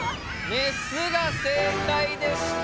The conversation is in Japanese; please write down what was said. メスが正解でした！